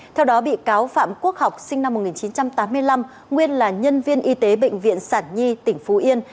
theo đó bị cáo phạm quốc học sinh năm một nghìn chín trăm tám mươi năm nguyên là nhân viên y tế bệnh viện sản nhi tỉnh phú yên